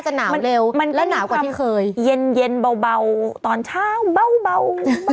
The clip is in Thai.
เบาแบบไม่ต้องใส่เสื้อขนาด๑๒๗ตัวน้ำ